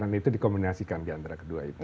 dan itu dikombinasikan diantara kedua itu